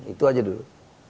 itu aja dulu